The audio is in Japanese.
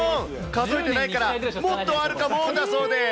数えてないから、もっとあるかもだそうです。